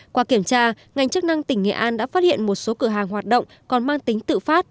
qua kiểm tra ngành chức năng tỉnh nghệ an đã phát hiện một số cửa hàng hoạt động còn mang tính tự phát